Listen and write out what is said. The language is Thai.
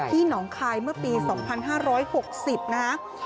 หนองคายเมื่อปี๒๕๖๐นะครับ